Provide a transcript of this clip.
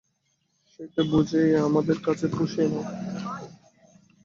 সেইটে বুঝি আমাদের কাছে পুষিয়ে নাও।